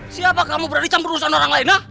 siapa kamu berani campur rusak sama orang lain